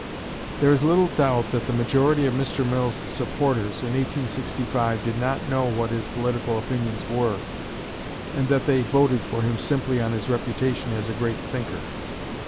There is little doubt that the majority of Mr. Mill's supporters in 1865 did not know what his political opinions were, and that they voted for him simply on his reputation as a great thinker.